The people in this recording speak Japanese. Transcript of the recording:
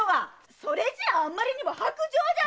それじゃあまりにも薄情じゃないの！